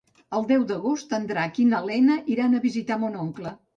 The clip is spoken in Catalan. El deu d'agost en Drac i na Lena iran a visitar mon oncle.